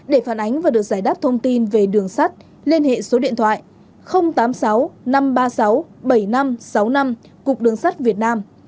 để phản ánh và được giải đáp thông tin về đường sắt liên hệ số điện thoại tám mươi sáu năm trăm ba mươi sáu bảy nghìn năm trăm sáu mươi năm cục đường sắt việt nam